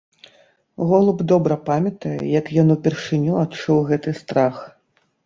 Голуб добра памятае, як ён упершыню адчуў гэты страх.